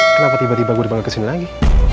kenapa tiba tiba gue dibawa ke sini lagi